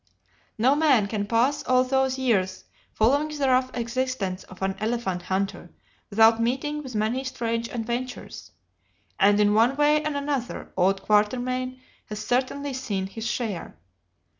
No man can pass all those years following the rough existence of an elephant hunter without meeting with many strange adventures, and in one way and another old Quatermain has certainly seen his share.